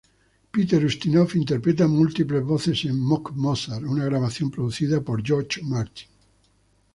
Peter Ustinov interpreta múltiples voces en "Mock Mozart", una grabación producida por George Martin.